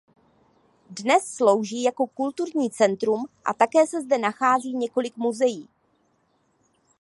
Dnes slouží jako kulturní centrum a také se zde nachází několik muzeí.